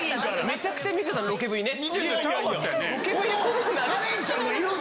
めちゃくちゃ見てたロケＶＴＲね。